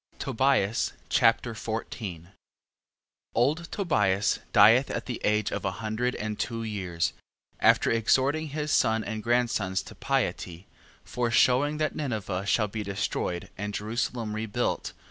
Tobias Chapter 14 Old Tobias dieth at the age of a hundred and two years, after exhorting his son and grandsons to piety, foreshewing that Ninive shall be destroyed, and Jerusalem rebuilt.